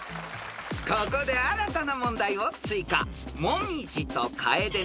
［ここで新たな問題を追加］